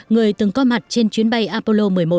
người từng có mặt trên chuyến bay apollo một mươi một